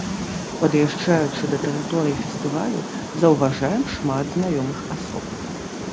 Пад'язджаючы да тэрыторыі фестывалю, заўважаем шмат знаёмых асоб.